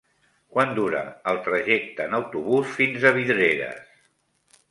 Quant dura el trajecte en autobús fins a Vidreres?